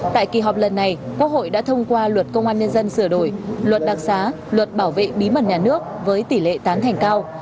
tại kỳ họp lần này quốc hội đã thông qua luật công an nhân dân sửa đổi luật đặc xá luật bảo vệ bí mật nhà nước với tỷ lệ tán thành cao